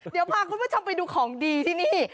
เดี๋ยวพาคุณผู้ชมไปดูของดีที่นี่